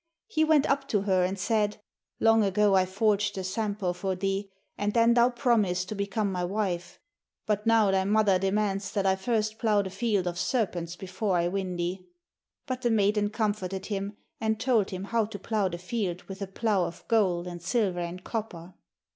He went up to her and said: 'Long ago I forged the Sampo for thee, and then thou promised to become my wife. But now thy mother demands that I first plough the field of serpents before I win thee.' But the maiden comforted him, and told him how to plough the field with a plough of gold and silver and copper.